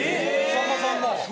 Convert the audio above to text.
さんまさんも？